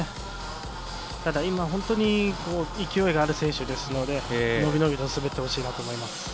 ただ、今、本当に勢いがある選手ですので、のびのびと滑ってほしいと思います。